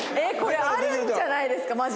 えっこれあるんじゃないですか？